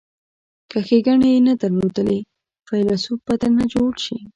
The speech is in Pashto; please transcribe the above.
که ښیګڼې یې نه درلودلې فیلسوف به درنه جوړ شي.